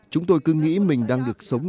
chúng tôi cứ nghĩ mình đang được sống